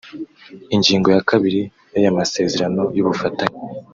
Ingingo ya kabiri y’aya masezerano y’ubufatanye